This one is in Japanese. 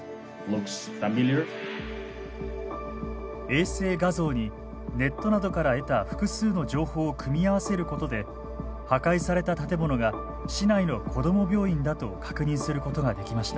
衛星画像にネットなどから得た複数の情報を組み合わせることで破壊された建物が市内の子ども病院だと確認することができました。